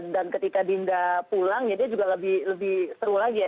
dan ketika dinda pulang jadi dia juga lebih seru lagi ya